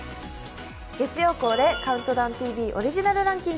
月曜恒例「ＣＤＴＶ」オリジナルランキング。